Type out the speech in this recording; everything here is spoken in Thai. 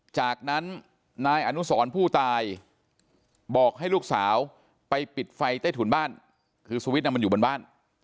จากนั้นนายอนุสรผู้ตายบอกให้ลูกสาวไปปิดไฟใต้ถุนบ้านคือสวิตช์มันอยู่บนบ้าน